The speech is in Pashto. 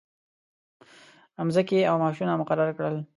مځکې او معاشونه مقرر کړل.